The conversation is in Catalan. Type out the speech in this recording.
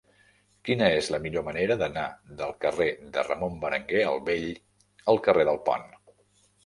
Quina és la millor manera d'anar del carrer de Ramon Berenguer el Vell al carrer del Pont?